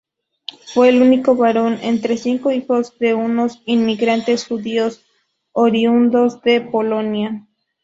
Fue el único varón entre cinco hijos de unos inmigrantes judíos oriundos de Polonia.